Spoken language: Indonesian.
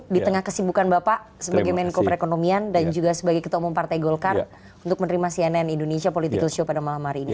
di tengah kesibukan bapak sebagai menko perekonomian dan juga sebagai ketua umum partai golkar untuk menerima cnn indonesia political show pada malam hari ini